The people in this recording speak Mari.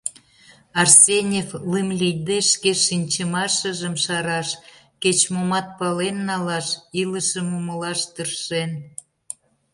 Арсеньев лым лийде шке шинчымашыжым шараш, кеч-момат пален налаш, илышым умылаш тыршен.